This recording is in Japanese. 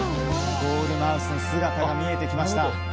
ゴールマウスの姿が見えてきました。